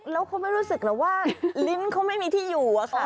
แล้วเขาไม่รู้สึกหรอกว่าลิ้นเขาไม่มีที่อยู่อะค่ะ